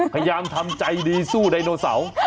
พยายามทำใจดีสู้ไดโนเสาร์